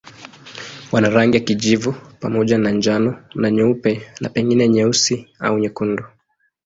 Wana rangi ya kijivu pamoja na njano na nyeupe na pengine nyeusi au nyekundu.